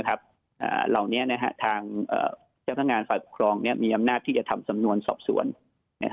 เหล่านี้ทางเจ้าพนักงานฝ่ายปกครองมีอำนาจที่จะทำสำนวนสอบสวน